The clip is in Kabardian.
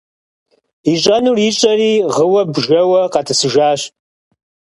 Ищӏэнур ищӏэри гъыуэ-бжэуэ къэтӏысыжащ.